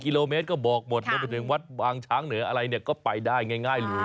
กิโลเมตรก็บอกหมดวัดวางช้างเหนืออะไรก็ไปได้ง่ายเลยนะ